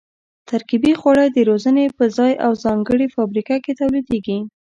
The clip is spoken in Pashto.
ترکیبي خواړه د روزنې په ځای او ځانګړې فابریکه کې تولیدېږي.